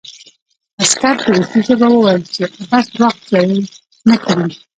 عسکر په روسي ژبه وویل چې عبث وخت ضایع نه کړي